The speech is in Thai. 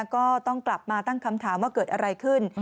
ก็ต้องกลับมาตั้งคำถามว่าเกิดอะไรขึ้น